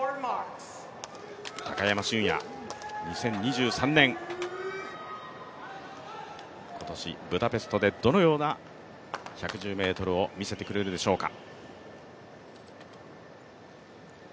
高山峻野、２０２３年今年ブダペストでどのような１１０ｍを見せてくれるでしょうか。